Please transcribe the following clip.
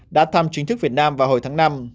đã thăm chính thức việt nam vào hồi tháng năm